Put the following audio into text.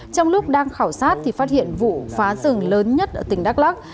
trong lúc đang khảo sát thì phát hiện vụ phá rừng lớn nhất ở tỉnh đắk lắc